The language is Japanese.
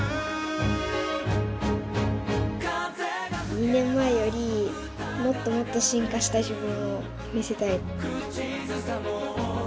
２年前より、もっともっと進化した自分を見せたい。